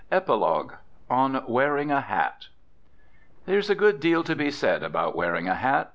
EPILOGUE ON WEARING A HAT There is a good deal to be said about wearing a hat.